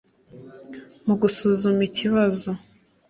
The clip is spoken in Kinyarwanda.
mu gusuzuma ikibazo